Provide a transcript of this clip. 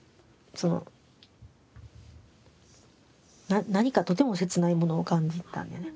その何かとても切ないものを感じたんやね。